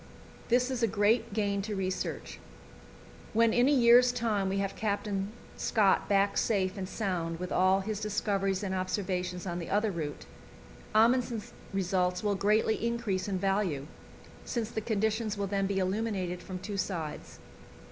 This is a great gain to research. When in a year's time we have Captain Scott back safe and sound with all his discoveries and observations on the other route, Amundsen's results will greatly increase in value, since the conditions will then be illuminated from two sides.